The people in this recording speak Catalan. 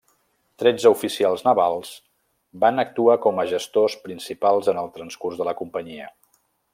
Tretze oficials navals van actuar com a gestors principals en el transcurs de la companyia.